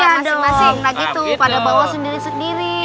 nah gitu pada bawa sendiri sendiri